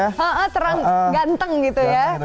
haa terang ganteng gitu ya